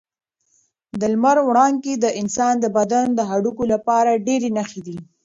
د لمر وړانګې د انسان د بدن د هډوکو لپاره ډېرې ښې دي.